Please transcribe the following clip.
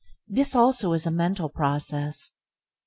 This also is a mental process.